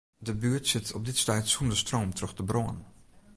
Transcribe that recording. De buert sit op dit stuit sûnder stroom troch de brân.